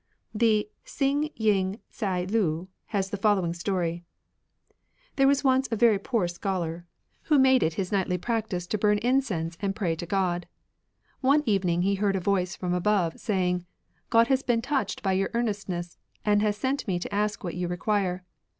The Hsing ying tea lu has the following story. There was once a very poor scholar, who made it 55 RELIGIONS OP ANCIENT CHINA his nightly practice to bum incense and pray to God. One evening he heard a voice from above, saying, God has been touched by your earnest ness, and has sent me to ask what you require."